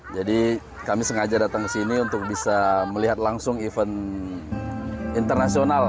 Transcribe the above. jadi kami sengaja datang kesini untuk bisa melihat langsung event internasional